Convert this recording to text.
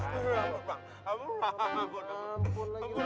aduh aduh aduh